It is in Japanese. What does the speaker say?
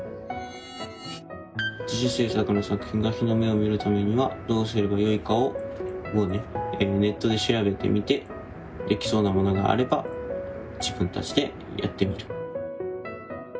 自主制作の作品が日の目を見るためにはどうすればよいかをネットで調べてみてできそうなものがあれば自分たちでやってみる。